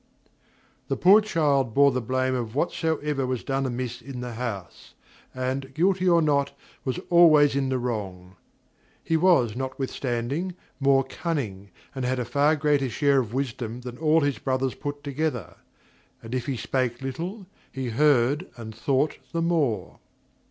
The poor child bore the blame of whatsoever was done amiss in the house, and guilty or not was always in the wrong; he was, notwithstanding, more cunning and had a far greater share of wisdom than all his brothers put together, and if he spake little he heard and thought the more.